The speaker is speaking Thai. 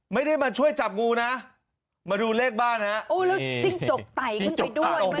ไม่ได้มาช่วยจับงูนะมาดูเลขบ้านฮะโอ้แล้วจิ้งจกไต่ขึ้นไปด้วย